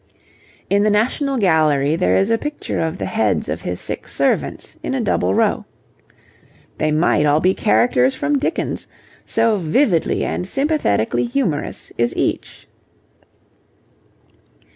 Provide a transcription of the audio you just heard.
In the National Gallery there is a picture of the heads of his six servants in a double row. They might all be characters from Dickens, so vividly and sympathetically humorous is each.